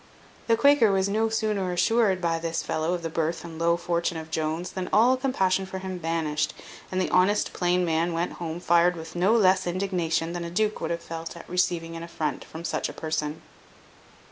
The Quaker was no sooner assured by this fellow of the birth and low fortune of Jones, than all compassion for him vanished; and the honest plain man went home fired with no less indignation than a duke would have felt at receiving an affront from such a person.